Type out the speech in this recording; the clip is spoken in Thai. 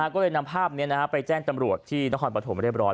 ก็เลยนำภาพนี้ไปแจ้งตำรวจที่นครปฐมเรียบร้อย